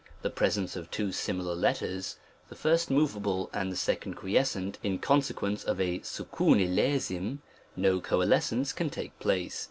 the presence of two similar letters the first moveable, and the 9 9 second quiescent in consequence of a ^9 <.+' no coalescence can take place.